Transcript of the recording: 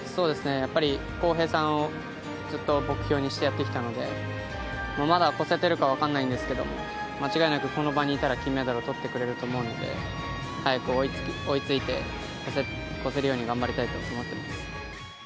やっぱり航平さんをずっと目標にしてやってきたので、まだ越せてるか分かんないんですけども、間違いなくこの場にいたら金メダルをとってくれると思うので、早く追いついて、越せるように頑張りたいと思っています。